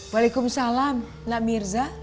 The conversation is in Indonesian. waalaikumsalam nak mirza